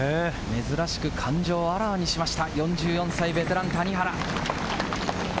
珍しく感情をあらわにしました、４４歳、ベテラン・谷原。